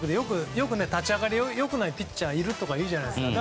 多くて立ち上がりが良くないピッチャーいるとかいうじゃないですか。